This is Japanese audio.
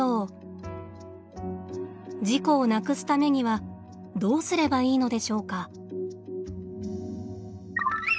事故をなくすためにはどうすればいいのでしょうか。